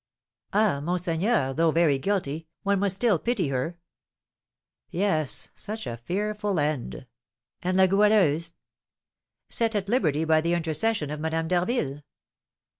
"Ah, monseigneur, though very guilty, one must still pity her." "Yes, such a fearful end! And La Goualeuse?" "Set at liberty by the intercession of Madame d'Harville."